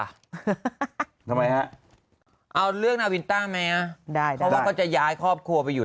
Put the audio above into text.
ได้ค่ะทำไมเอาเลือกนาวินต้าไหมอ่ะได้แต่จะย้ายครอบครัวไปอยู่